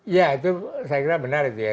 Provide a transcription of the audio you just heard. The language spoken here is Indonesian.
ya itu saya kira benar itu ya